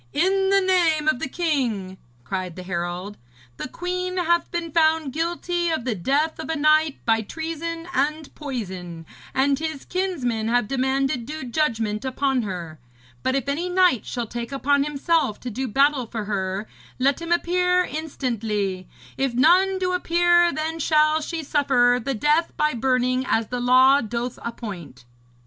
'In the name of the king,' cried the herald, 'the queen hath been found guilty of the death of a knight by treason and poison, and his kinsmen have demanded due judgment upon her. But if any knight shall take upon himself to do battle for her, let him appear instantly. If none do appear, then shall she suffer the death by burning as the law doth appoint.'